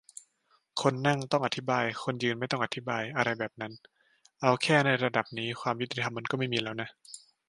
คนนั่ง ต้องอธิบาย คนยืน ไม่ต้องอธิบาย อะไรแบบนั้น เอาแค่ในระดับนี้ ความยุติธรรมมันก็ไม่มีแล้วน่ะ